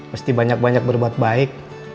mesti banyak banyak berbuat baik